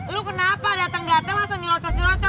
lu kenapa dateng gatel langsung diroco siroco